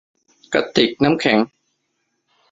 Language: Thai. กระติกน้ำแข็ง